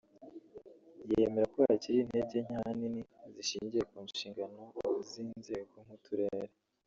yemera ko hakiri intege nke ahanini zishingiye ku nshingano z’inzego nk’uturere